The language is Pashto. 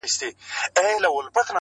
نن څراغه لمبې وکړه پر زړګي مي ارمانونه٫